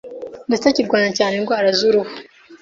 ndetse kirwanya cyane indwara z’uruhu.